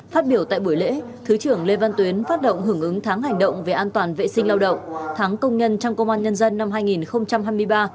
phát biểu tại buổi lễ thứ trưởng lê văn tuyến phát động hưởng ứng tháng hành động về an toàn vệ sinh lao động tháng công nhân trong công an nhân dân năm hai nghìn hai mươi ba